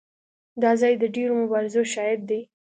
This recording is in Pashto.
دا ځای د ډېرو مبارزو شاهد دی.